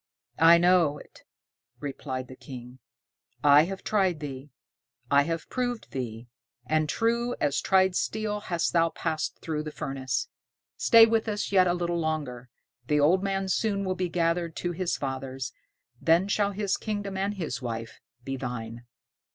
"I know it," replied the King; "I have tried thee, I have proved thee, and true as tried steel hast thou passed through the furnace. Stay with us yet a little longer, the old man soon will be gathered to his fathers, then shall his kingdom and his wife be thine."